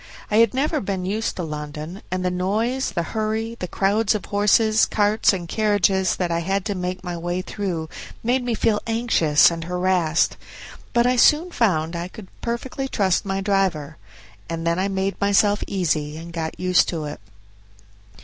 I had never been used to London, and the noise, the hurry, the crowds of horses, carts, and carriages that I had to make my way through made me feel anxious and harassed; but I soon found that I could perfectly trust my driver, and then I made myself easy and got used to it.